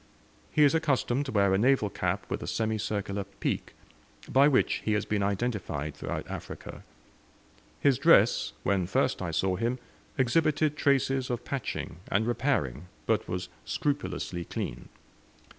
He is accustomed to wear a naval cap with a semicircular peak, by which he has been identified throughout Africa. His dress, when first I saw him, exhibited traces of patching and repairing, but was scrupulously clean.